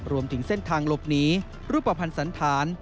รวมถึงเส้นทางหลบหนีรูปภัณฑ์สันธาร